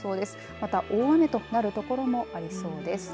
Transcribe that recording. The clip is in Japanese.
また、大雨となる所もありそうです。